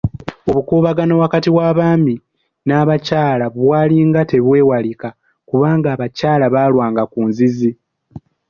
Obukuubagano wakati w'abaami n'abakyala bwalinga tebwewalika kubanga abakyala baalwanga ku nzizi.